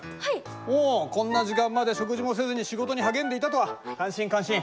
おおこんな時間まで食事もせずに仕事に励んでいたとは感心感心！